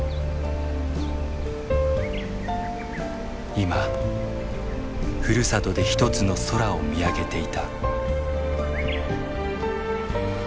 今ふるさとで一つの空を見上げていた。